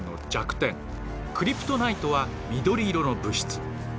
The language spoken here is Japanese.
クリプトナイトは緑色の物質。